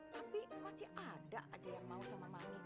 tapi masih ada aja yang mau sama mami